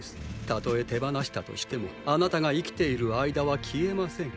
たとえ手放したとしてもあなたが生きている間は消えません。